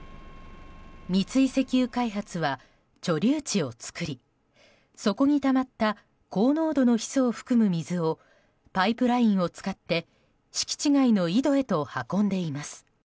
三井石油開発は貯留池を作りそこにたまった高濃度のヒ素を含む水をパイプラインを使って敷地外の井戸へと運んでいます。